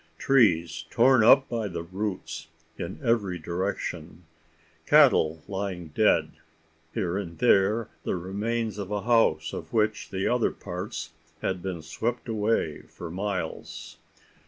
Trees torn up by the roots in every direction cattle lying dead here and there the remains of a house, of which the other parts had been swept away for miles.